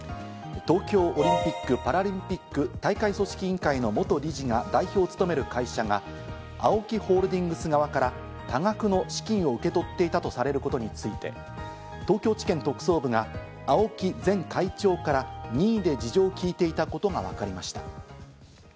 東京オリンピック・パラリンピック大会組織委員会の元理事が代表を務める会社がＡＯＫＩホールディングス側から多額の資金を受け取っていたとされることについて、東京地検特捜部がＡＯＫＩ前会長から任意で事情を聞いていたことがわかりました。